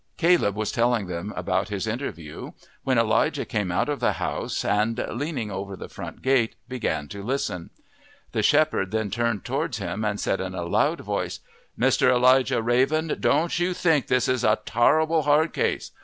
Caleb was telling them about his interview when Elijah came out of the house and, leaning over the front gate, began to listen. The shepherd then turned towards him and said in a loud voice: "Mr. Elijah Raven, don't you think this is a tarrible hard case!